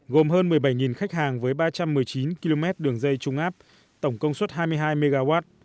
gồm hơn một mươi bảy khách hàng với ba trăm một mươi chín km đường dây trung áp tổng công suất hai mươi hai mw